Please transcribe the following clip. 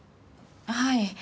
はい。